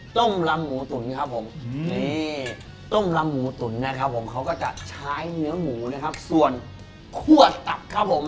ต้มลำหมูตุ๋นครับต้มลำหมูตุ๋นนะครับจะใช้เนื้อหมูส่วนคั่วตับ